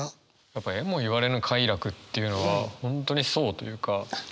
やっぱ「得もいわれぬ快楽」というのは本当にそうというか。